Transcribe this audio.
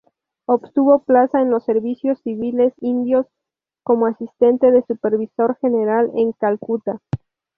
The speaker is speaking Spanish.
Obtuvo plaza en los Servicios Civiles Indios como asistente del supervisor general en Calcuta.